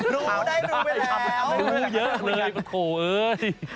รู้ได้รู้ไปแล้ว